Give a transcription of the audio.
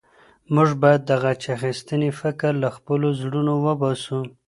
موږ باید د غچ اخیستنې فکر له خپلو زړونو وباسو.